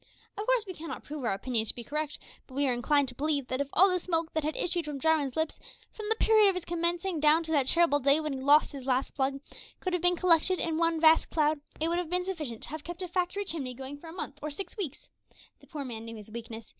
Of course we cannot prove our opinion to be correct, but we are inclined to believe that if all the smoke that had issued from Jarwin's lips, from the period of his commencing down to that terrible day when he lost his last plug, could have been collected in one vast cloud, it would have been sufficient to have kept a factory chimney going for a month or six weeks. The poor man knew his weakness.